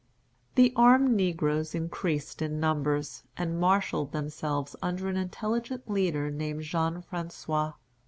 The armed negroes increased in numbers, and marshalled themselves under an intelligent leader named Jean François.